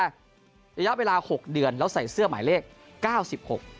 ระยะเวลาหกเดือนแล้วใส่เสื้อหมายเลขเก้าสิบหก